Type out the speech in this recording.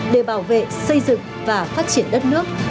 để bảo vệ xây dựng và phát triển đất nước